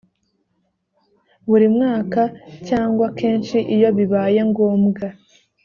buri mwaka cyangwa kenshi iyo bibaye ngombwa